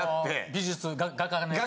美術画家のやつ？